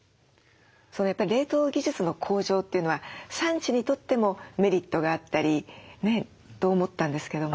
やっぱり冷凍技術の向上というのは産地にとってもメリットがあったりねと思ったんですけども。